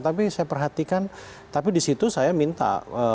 tapi saya perhatikan tapi di situ saya minta